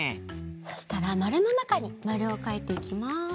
そしたらまるのなかにまるをかいていきます。